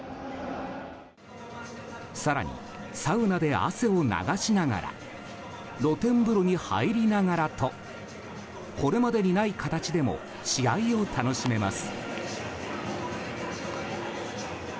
更に、サウナで汗を流しながら露天風呂に入りながらとこれまでにない形でも試合を楽しめます。